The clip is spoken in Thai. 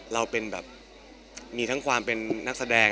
เราเป็นแบบมีทั้งความเป็นนักแสดง